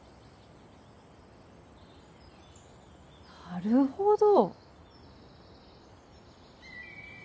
なるほど。